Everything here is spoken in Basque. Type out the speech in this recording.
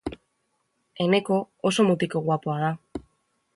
Enekok oso mutiko guapoa da.